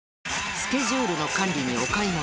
スケジュールの管理にお買い物